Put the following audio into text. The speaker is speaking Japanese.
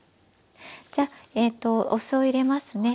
じゃあえっとお酢を入れますね。